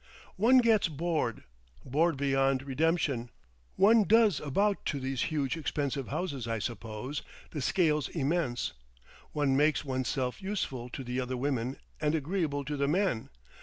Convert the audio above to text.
"One gets bored, bored beyond redemption. One does about to these huge expensive houses I suppose—the scale's immense. One makes one's self useful to the other women, and agreeable to the men.